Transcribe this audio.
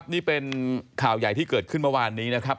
นี่เป็นข่าวใหญ่ที่เกิดขึ้นเมื่อวานนี้นะครับ